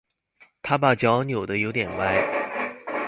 他把腳扭得有點歪